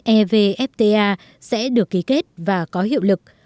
evfta sẽ được ký kết và có hiệu lực